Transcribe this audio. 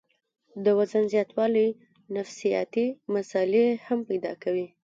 د وزن زياتوالے نفسياتي مسئلې هم پېدا کوي